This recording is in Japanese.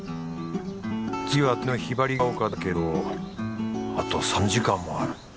次は隣のひばりが丘だけどあと３時間もある。